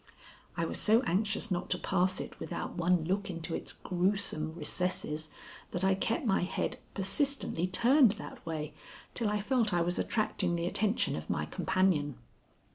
I was so anxious not to pass it without one look into its grewsome recesses that I kept my head persistently turned that way till I felt I was attracting the attention of my companion.